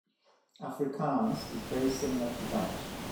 Afrikaans is very similar to Dutch.